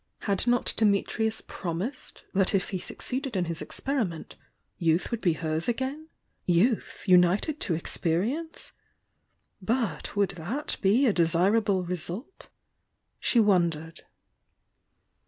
Had not Dimitrius promised that if he succeeded in his experiment, youth would be hers again?— youth, united to experience? — but would that be a desir able result? She wondered.